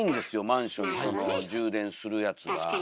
マンションにその充電するやつが。